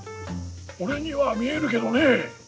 俺には見えるけどね。